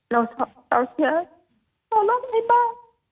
เราเชิญขอร้องให้เปล่า